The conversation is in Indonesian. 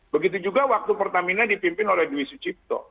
begitu juga waktu pertamina dipimpin oleh dwi sucipto